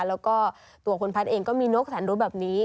แล้วก็ตัวคุณพัฒน์เองก็มีนกแสนรู้แบบนี้